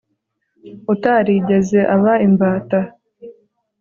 utarigeze aba imbata